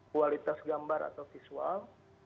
kualitas gambar atau visual